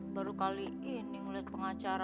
baru kali ini melihat pengacara